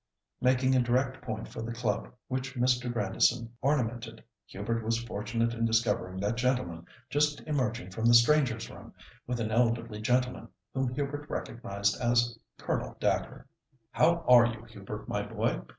Making a direct point for the club which Mr. Grandison ornamented, Hubert was fortunate in discovering that gentleman just emerging from the strangers' room with an elderly gentleman, whom Hubert recognised as Colonel Dacre. "How are you, Hubert, my boy?"